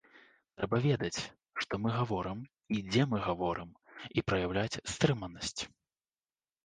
Трэба ведаць, што мы гаворым і дзе мы гаворым, і праяўляць стрыманасць.